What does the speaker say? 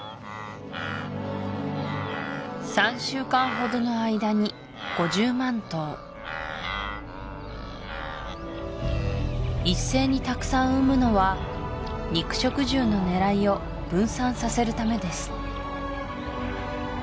３週間ほどの間に５０万頭一斉にたくさん産むのは肉食獣の狙いを分散させるためです